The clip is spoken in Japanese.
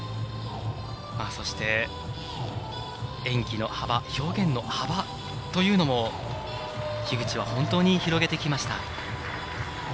そして、演技の幅表現の幅というのも樋口は本当に広げてきました。